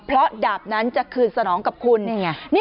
เพราะดาบนั้นจะคืนสนองกับคุณ